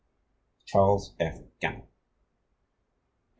CHARLES F. GAMMON.